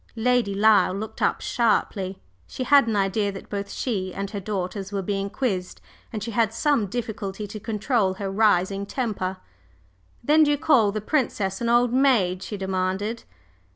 Lady Lyle looked up sharply. She had an idea that both she and her daughters were being quizzed, and she had some difficulty to control her rising temper. "Then do you call the Princess an old maid?" she demanded.